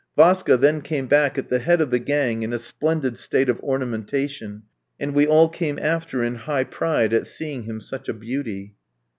Vaska then came back at the head of the gang in a splendid state of ornamentation, and we all came after in high pride at seeing him such a beauty.